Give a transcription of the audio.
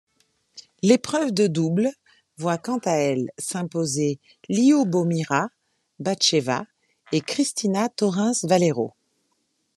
L'épreuve de double voit quant à elle s'imposer Lioubomira Batcheva et Cristina Torrens Valero.